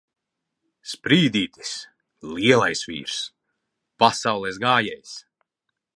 Sprīdītis! Lielais vīrs! Pasaules gājējs!